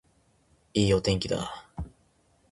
いいお天気だ